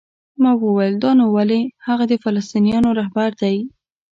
ما وویل: نو دا ولې؟ هغه د فلسطینیانو رهبر دی؟